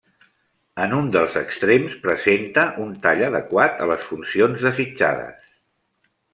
En un dels extrems presenta un tall adequat a les funcions desitjades.